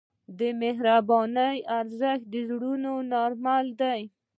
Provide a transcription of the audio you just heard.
د مهربانۍ ارزښت د زړونو نرمول دي.